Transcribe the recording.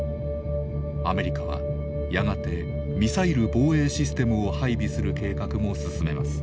アメリカはやがてミサイル防衛システムを配備する計画も進めます。